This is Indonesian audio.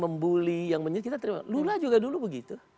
membuli yang menyebut kita terima kasih lula juga dulu begitu